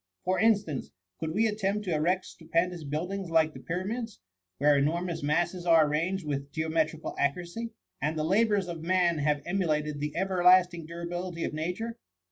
For instance, could we attempt to erect stupendous buildings like the pyramids, where enormous masses are arranged with geometrical accuracy, and the labours of man have emulated the ever lasting durability of nature?